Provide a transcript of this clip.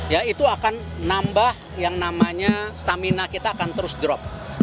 ya itu akan nambah yang namanya stamina kita akan terus drop